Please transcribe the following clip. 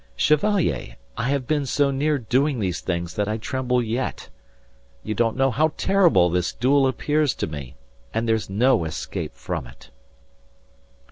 Chevalier! I have been so near doing these things that I tremble yet. You don't know how terrible this duel appears to me. And there's no escape from it."